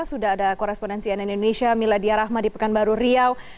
sudah ada korespondensi ann indonesia mila diyarahma di pekanbaru riau